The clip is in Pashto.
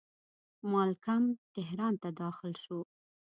مالکم تهران ته داخل شو.